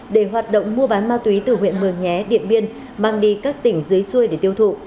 để hoạt động mua bán ma túy từ huyện mường nhé điện biên mang đi các tỉnh dưới xuôi để tiêu thụ